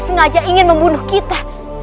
sengaja ingin membunuh kita